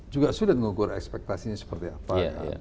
juga sulit mengukur ekspektasinya seperti apa ya